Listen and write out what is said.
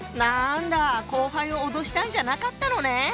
後輩を脅したんじゃなかったのね！